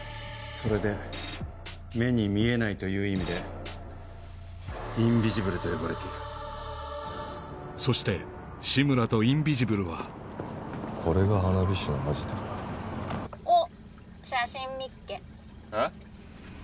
それで目に見えないという意味でインビジブルと呼ばれているそして志村とインビジブルはこれが花火師のアジトかおっ写真見っけえっ？